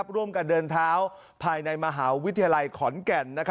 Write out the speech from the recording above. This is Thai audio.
ร่วมกันเดินเท้าภายในมหาวิทยาลัยขอนแก่น